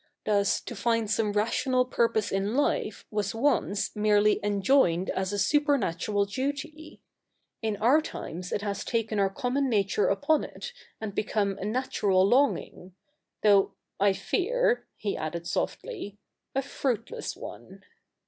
Thus, to find some rational purpose in life was once merely enjoined as a supernatural duty. In our times it has taken our common nature upon it, and become a natural longing — though, I fear,' he added softly, 'a fruitless one.'